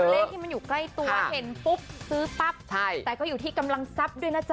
เอาเลขที่มันใกล้ตัวนเสียสิ้ปลัพแต่จะอยู่ที่กำลังทรัพย์ด้วยน่ะจ๊ะ